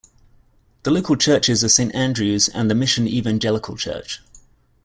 The local churches are Saint Andrews and the Mission Evangelical Church.